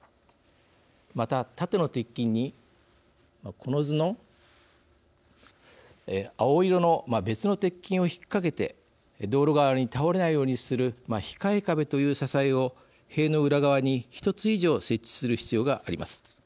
また、縦の鉄筋にこの図の青色の別の鉄筋を引っ掛けて道路側に倒れないようにする控え壁という支えを塀の裏側に１つ以上設置する必要があります。